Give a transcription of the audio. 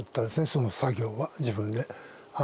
その作業は自分で。